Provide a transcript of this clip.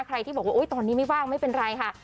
ที่บอกว่าตอนนี้ไม่ว่างไม่เป็นไรค่ะ